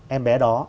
em bé đó